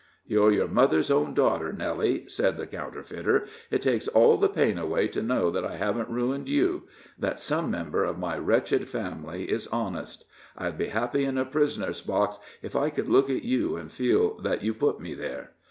"You're your mother's own daughter, Nellie," said the counterfeiter; "it takes all the pain away to know that I haven't ruined you that some member of my wretched family is honest. I'd be happy in a prisoner's box if I could look at you and feel that you put me there."